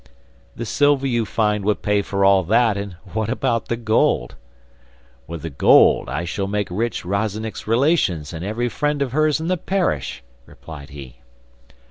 'The silver you find will pay for all that, and what about the gold?' 'With the gold I shall make rich Rozennik's relations and every friend of hers in the parish,' replied he.